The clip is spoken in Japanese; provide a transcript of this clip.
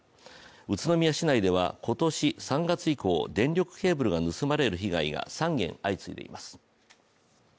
宇都宮市内では今年３月以降電力ケーブルが盗まれる被害が３件相次いでいます。